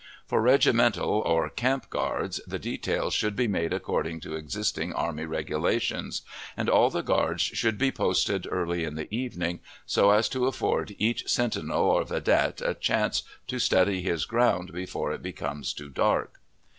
For regimental or camp guards, the details should be made according to existing army regulations; and all the guards should be posted early in the evening, so as to afford each sentinel or vedette a chance to study his ground before it becomes too dark.